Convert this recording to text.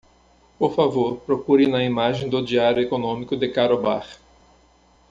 Por favor, procure na imagem do Diário Económico de Karobar.